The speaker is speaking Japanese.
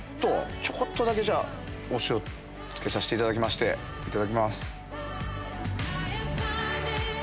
ちょこっとだけじゃあ、お塩つけさせていただきまして、いただきます。